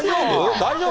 大丈夫？